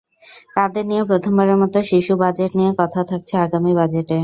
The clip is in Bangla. তাদের নিয়ে প্রথমবারের মতো শিশু বাজেট নিয়ে কথা থাকছে আগামী বাজেটে।